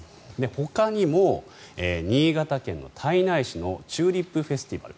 ほかにも、新潟県の胎内市のチューリップフェスティバル。